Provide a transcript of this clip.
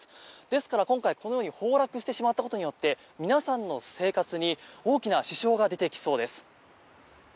ですから、今回このように崩落してしまったことによって皆さんの生活に大きな支障が出てきそうです。